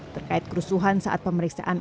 terkait kerusuhan saat pemeriksaan